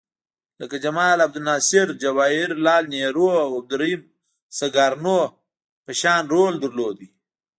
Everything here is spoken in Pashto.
لکه جمال عبدالناصر، جواهر لعل نهرو او عبدالرحیم سکارنو په شان رول یې درلود.